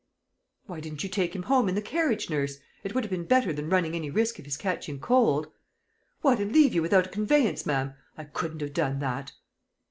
"Why didn't you take him home in the carriage, nurse? It would have been better than running any risk of his catching cold." "What, and leave you without a conveyance, ma'am? I couldn't have done that!"